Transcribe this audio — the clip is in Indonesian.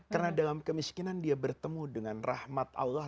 karena dalam kemiskinan dia bertemu dengan rahmat allah